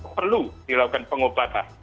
perlu dilakukan pengobatan